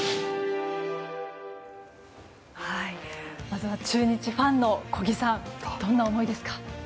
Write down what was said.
まずは中日ファンの小木さんどんな思いですか？